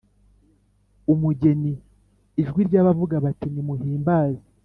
umugeni ijwi ry abavuga bati Nimuhimbaze